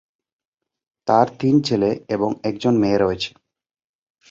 তার তিন ছেলে এবং একজন মেয়ে রয়েছে।